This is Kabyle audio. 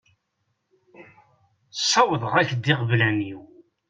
Ssawḍeɣ-ak-d iɣeblan-iw.